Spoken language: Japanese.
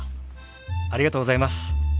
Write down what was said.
ありがとうございます。